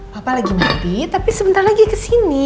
papa lagi mati tapi sebentar lagi kesini